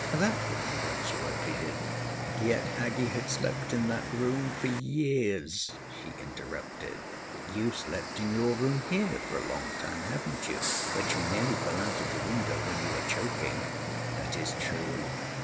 That would convince you," I pleaded. "Yet Aggie had slept in that room for years," she interrupted. "You've slept in your room here for a long time, haven't you? But you nearly fell out of the window when you were choking." "That is true.